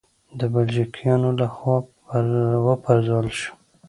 د بلشویکانو له خوا و پرځول شو.